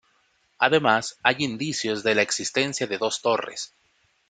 Además, hay indicios de la existencia de dos torres.